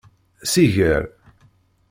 Siger.